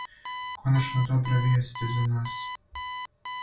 Коначно добре вијести за нас.